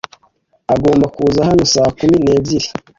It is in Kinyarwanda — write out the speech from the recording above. Agomba kuza hano saa kumi n'ebyiri.